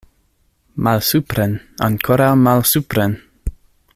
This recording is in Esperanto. Malsupren, ankoraŭ malsupren!